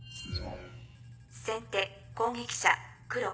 先手攻撃者黒。